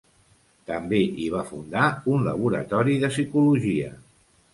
També hi va fundar un laboratori de psicologia.